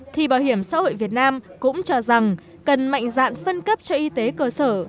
thì bảo hiểm xã hội việt nam cũng cho rằng cần mạnh dạn phân cấp cho y tế cơ sở